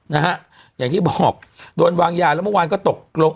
นะฮะอย่างที่บอกโดนวางยาแล้วเมื่อวานก็ตกลง